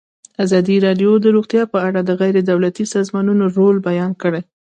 ازادي راډیو د روغتیا په اړه د غیر دولتي سازمانونو رول بیان کړی.